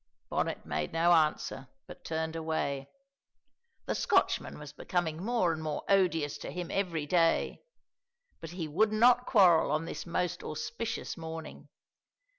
Bonnet made no answer, but turned away. The Scotchman was becoming more and more odious to him every day, but he would not quarrel on this most auspicious morning.